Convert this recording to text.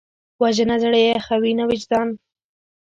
وژنه زړه یخوي نه، وجدان وژني